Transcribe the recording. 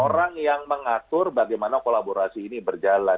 orang yang mengatur bagaimana kolaborasi ini berjalan